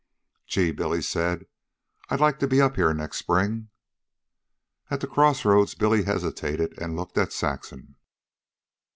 "Gee!" Billy said. "I'd like to be up here next spring." At the crossroads Billy hesitated and looked at Saxon.